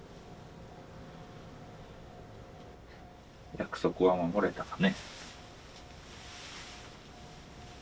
約束は守れたかね。